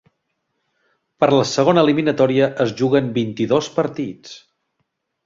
Per la segona eliminatòria es juguen vint-i-dos partits.